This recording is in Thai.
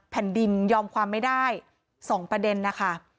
แผ่นดินยอมความไม่ได้๒ประเด็นนะคะ